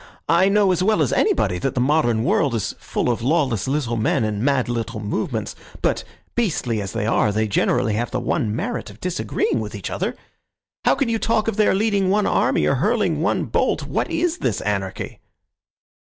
I know as well as anybody that the modern world is full of lawless little men and mad little movements. But, beastly as they are, they generally have the one merit of disagreeing with each other. How can you talk of their leading one army or hurling one bolt. What is this anarchy?"